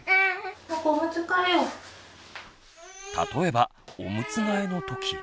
例えばオムツ替えの時。